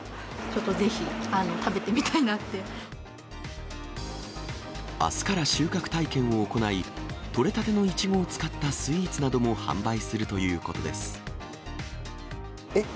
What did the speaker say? ちょっと、ぜひ食べてみたいあすから収穫体験を行い、取れたてのイチゴを使ったスイーツなども販売するということです。え？